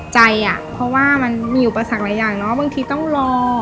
อ่ะเพราะว่ามันมีอุปสรรคหลายอย่างเนอะบางทีต้องรอ